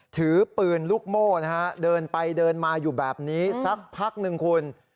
ถือปืนลูกโม่นะฮะเดินไปเดินมาอยู่แบบนี้สักพักหนึ่งคุณ